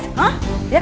hah ya kan